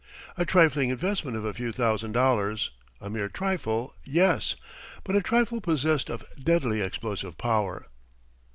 A trifling investment of a few thousand dollars, a mere trifle yes, but a trifle possessed of deadly explosive power.